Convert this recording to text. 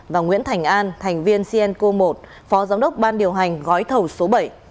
và nguyễn thành an thành viên cnco một phó giám đốc ban điều hành gói thầu số bảy